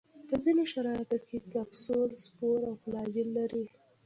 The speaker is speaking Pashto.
په ځینو شرایطو کې کپسول، سپور او فلاجیل لري.